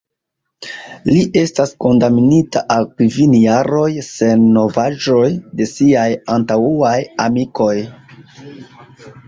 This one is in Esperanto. Li estas kondamnita al kvin jaroj, sen novaĵoj de siaj antaŭaj amikoj.